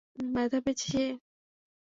ব্যথা পেয়েছে সে?